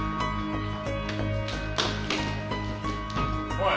おい！